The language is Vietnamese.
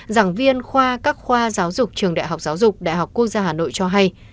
giảng viên khoa các khoa giáo dục trường đại học giáo dục đại học quốc gia hà nội cho hay